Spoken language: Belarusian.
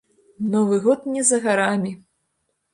Новы год не за гарамі.